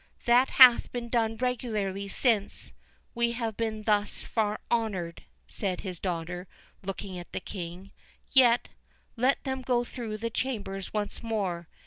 "That hath been done regularly since—we have been thus far honoured," said his daughter, looking at the King—"yet, let them go through the chambers once more."